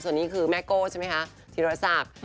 ส่วนนี้คือแม่โก้ใช่ไหมคะที่รัศนาป